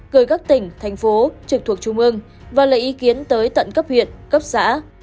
gửi các tỉnh thành phố trực thuộc trung ương và lấy ý kiến tới tận cấp huyện cấp xã